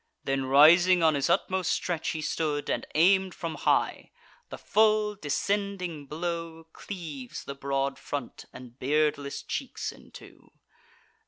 Then rising, on his utmost stretch he stood, And aim'd from high: the full descending blow Cleaves the broad front and beardless cheeks in two.